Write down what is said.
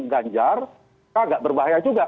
ganjar agak berbahaya juga